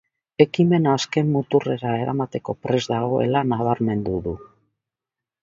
Ekimena azken muturrera eramateko prest dagoela nabarmendu du.